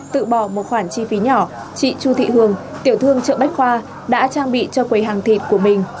tự bỏ một khoản chi phí nhỏ chị chu thị hường tiểu thương chợ bách khoa đã trang bị cho quầy hàng thịt của mình